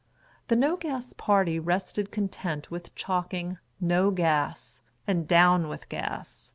The No Gas party rested content with chalking " No Gas !" and " Down with Gas